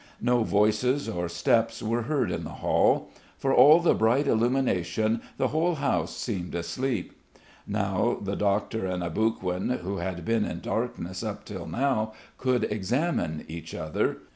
No voices or steps were heard in the hall. For all the bright illumination the whole house seemed asleep. Now the doctor and Aboguin who had been in darkness up till now could examine each other.